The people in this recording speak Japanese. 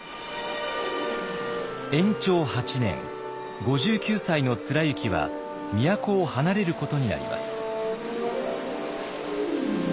延長八年５９歳の貫之は都を離れることになります。